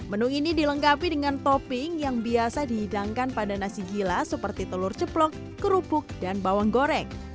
menu ini dilengkapi dengan topping yang biasa dihidangkan pada nasi gila seperti telur ceplok kerupuk dan bawang goreng